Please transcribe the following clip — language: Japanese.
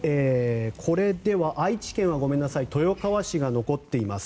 愛知県はごめんなさい豊川市が残っています。